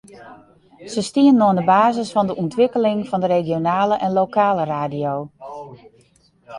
Se stienen oan de basis fan de ûntwikkeling fan de regionale en lokale radio.